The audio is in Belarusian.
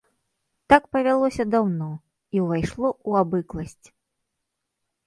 Так павялося даўно і ўвайшло ў абыкласць.